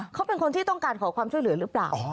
เขาเป็นคนที่ต้องการขอความช่วยเหลือหรือเปล่า